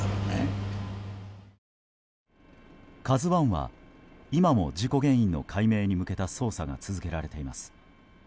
「ＫＡＺＵ１」は今も事故原因の解明に向けた捜査が続けられています。